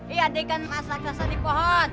iya adikkan masak masak di pohon